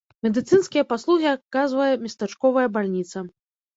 Медыцынскія паслугі аказвае местачковая бальніца.